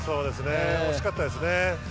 惜しかったですね。